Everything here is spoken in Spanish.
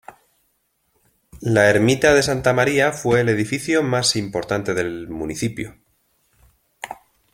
La Ermita de Santa María fue el edificio más importante del municipio.